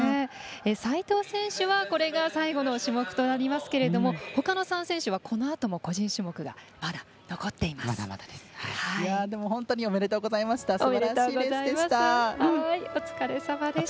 齋藤選手はこれが最後の種目となりますけどほかの３選手はこのあとも個人種目が残っています。